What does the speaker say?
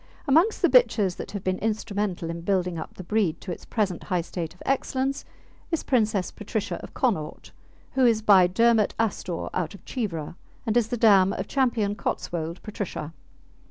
Amongst the bitches that have been instrumental in building up the breed to its present high state of excellence is Princess Patricia of Connaught who is by Dermot Astore out of Cheevra, and is the dam of Ch. Cotswold Patricia.